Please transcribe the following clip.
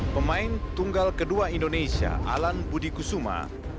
pemain tunggal kedua indonesia alan budi kusuma